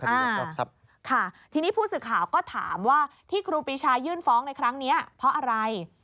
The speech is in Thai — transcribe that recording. อ่าค่ะทีนี้ผู้สื่อข่าวก็ถามว่าที่ครูปีชายื่นฟ้องในครั้งนี้เพราะอะไร